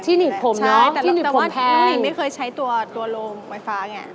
ที่หนีบผมเนอะที่หนีบผมแพงใช่แต่ว่าคุณหญิงไม่เคยใช้ตัวโหลไฟฟ้าไง